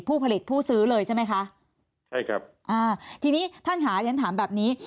ผู้ผลิตผู้ซื้อเลยใช่ไหมคะใช่ครับอ่าทีนี้ท่านค่ะเรียนถามแบบนี้